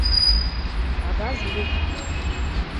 Кагаз лук